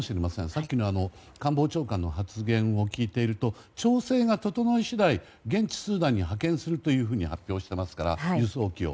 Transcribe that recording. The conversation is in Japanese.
さっきの官房長官の発言を聞いていると調整が整い次第、現地スーダンに派遣するというふうに発表していますから輸送機を。